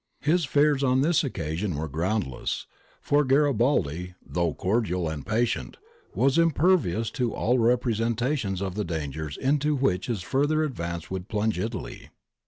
His fears on this occasion were groundless, for Garibaldi, though cordial and patient, was impervious to all representations of the dangers into which his further advance would plunge Italy.